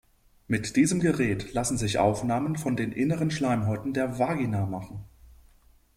Mit diesem Gerät lassen sich Aufnahmen von den inneren Schleimhäuten der Vagina machen.